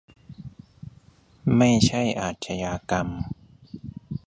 ไม่ใช่อาชญากรรม